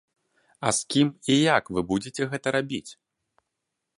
А з кім і як вы будзеце гэта рабіць?